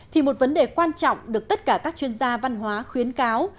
thì một vấn đề quan trọng được tất cả các chuyên gia văn hóa khuyến cáo